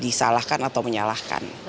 disalahkan atau menyalahkan